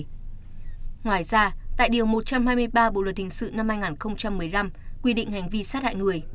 ngoài ra tại điều một trăm hai mươi ba bộ luật hình sự năm hai nghìn một mươi năm quy định hành vi sát hại người